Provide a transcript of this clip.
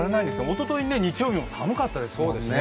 おととい日曜日も寒かったですもんね。